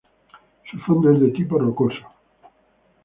Su fondo es de tipo rocoso.